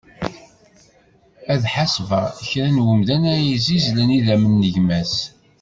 Ad ḥasbeɣ kra n umdan ara yessizzlen idammen n gma-s.